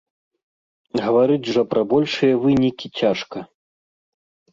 Гаварыць жа пра большыя вынікі цяжка.